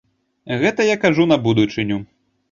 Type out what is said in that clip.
Гэта я кажу на будучыню.